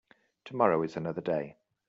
Tomorrow is another day.